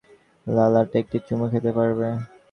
তখন সম্রাট বলল, তুমি কি আমার ললাটে একটি চুমু খেতে পারবে।